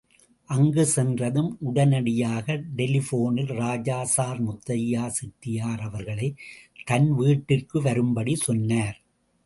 அங்கு சென்றதும் உடனடியாக டெலிபோனில் ராஜா சர் முத்தையா செட்டியார் அவர்களைத் தன் வீட்டிற்கு வரும்படி சொன்னார்.